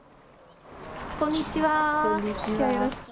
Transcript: こんにちは。